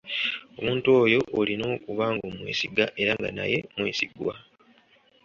Omuntu oyo olina okuba ng'omwesiga era nga naye mwesigwa.